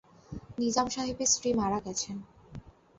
নিজাম সাহেবের স্ত্রী মারা গেছেন।